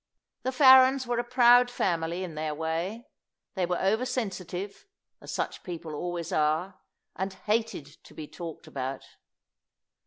The Farrens were a proud family in their way. They were over sensitive as such people always are and hated to be talked about.